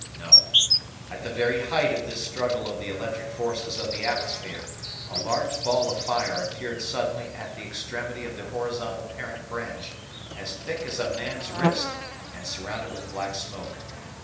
No. At the very height of this struggle of the electric forces of the atmosphere, a large ball of fire appeared suddenly at the extremity of the horizontal parent branch, as thick as a man's wrist, and surrounded with black smoke.